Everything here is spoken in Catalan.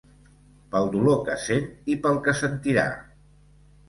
Pel dolor que sent i pel que sentirà.